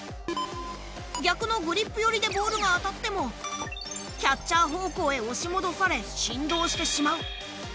逆のグリップ寄りでボールが当たってもキャッチャー方向へ押し戻され、振動してしまう。